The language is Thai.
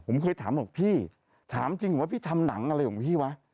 ผมเคยถามบอกพี่ถามจริงว่าพี่ทำหนังอะไรของพี่วะ